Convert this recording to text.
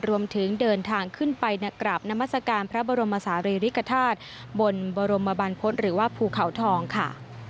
รวมถึงเดินทางขึ้นไปกราบนามัศกาลพระบรมศาลีริกฐาตุบนบรมบรรพฤษหรือว่าภูเขาทองค่ะ